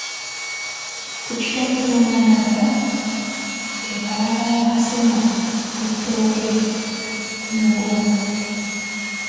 Ku kitooke Nnawandagala ke kalagala akasemba ku ttooke ku mugogo.